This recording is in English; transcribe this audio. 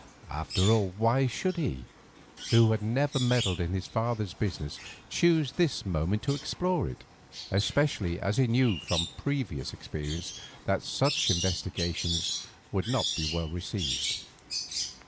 After all, why should he, who had never meddled with his father's business, choose this moment to explore it, especially as he knew from previous experience that such investigations would not be well received?